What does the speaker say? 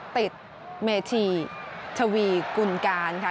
ติดเมธีชวีกุลการค่ะ